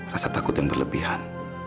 rasa takut yang berlebihan